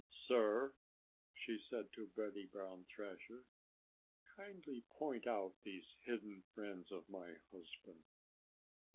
"Sir!" she said to Buddy Brown Thrasher. "Kindly point out these hidden friends of my husband!"